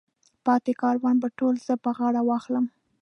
پاتې کارونه به ټول زه پر غاړه واخلم.